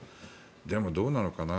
でも、どうなのかな。